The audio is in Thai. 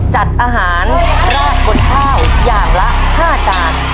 จัดอาหารราดบนข้าวอย่างละ๕จาน